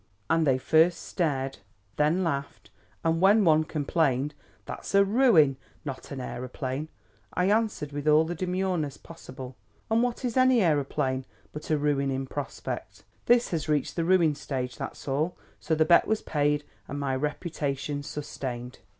And they first stared, then laughed; and when one complained: 'That's a ruin, not an aeroplane,' I answered with all the demureness possible; 'and what is any aeroplane but a ruin in prospect? This has reached the ruin stage; that's all.' So the bet was paid and my reputation sustained.